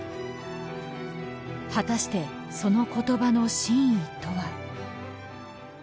果たしてその言葉の真意とは。